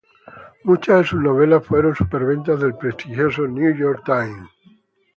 Muchas de sus novelas fueron superventas del prestigioso New York Times.